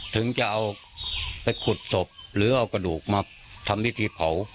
ถึงจะเอาไปขุดศพหรือเอากระดูกมาทำพิธีเผา